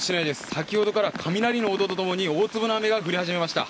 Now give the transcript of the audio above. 先ほどから雷の音とともに大粒の雨が降り始めました。